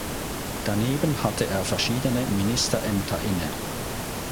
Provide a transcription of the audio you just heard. Daneben hatte er verschiedene Ministerämter inne.